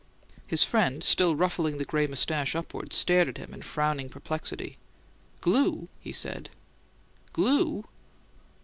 His friend, still ruffling the gray moustache upward, stared at him in frowning perplexity. "Glue?" he said. "GLUE!"